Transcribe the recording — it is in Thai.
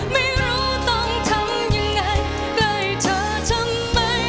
ไม่รู้ต้องทำยังไงใกล้เธอทำไม